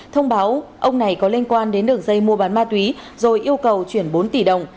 thông báo ông này có liên quan đến đường dây mua bán ma túy rồi yêu cầu chuyển bốn tỷ đồng